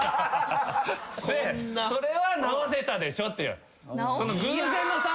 でそれは直せたでしょっていう。